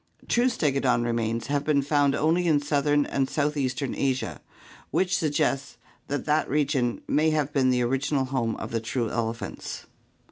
True Stegodon remains have been found only in southern and southeastern Asia, which suggests that that region may have been the original home of the true elephants.